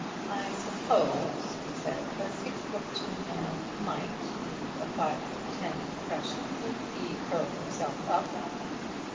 "I suppose," he said, "a six foot two man might leave a five foot ten depression if he curled himself up."